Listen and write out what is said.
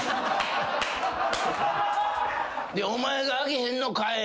お前が挙げへんのかい！